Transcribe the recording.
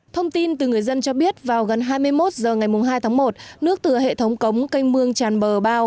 thông tin từ người dân cho biết vào gần hai mươi một h ngày hai tháng một nước từ hệ thống cống canh mương tràn bờ bao